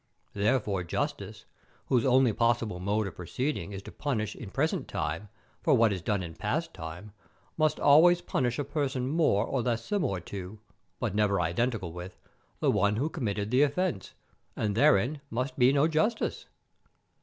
Therefore justice, whose only possible mode of proceeding is to punish in present time for what is done in past time, must always punish a person more or less similar to, but never identical with, the one who committed the offence, and therein must be no justice.